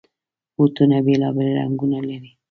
بوټونه بېلابېل رنګونه لري.